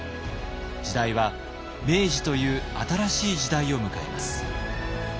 時代は明治という新しい時代を迎えます。